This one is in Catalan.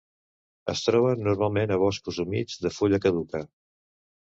Es troben normalment a boscos humits de fulla caduca.